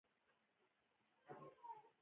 هغه افغانستان ته ستون شو.